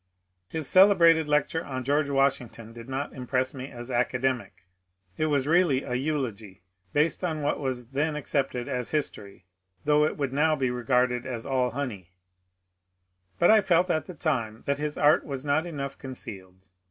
His celebrated lecture on George Washington did not impress me as academic ; it was really a eulogy, based on what was then accepted as history, though it would now be regarded as all honey ; but I felt at the time that his art was not enough concealed.